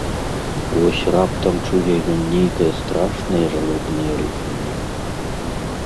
Вось раптам чуе ён нейкае страшнае жалобнае рыканне...